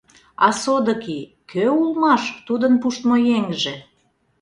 А, содыки, кӧ улмаш тудын «пуштмо еҥже»?